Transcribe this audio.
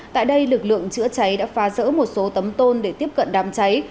tại đây lực lượng chữa cháy đã phá rỡ một số tấm tôn để tiếp cận đám cháy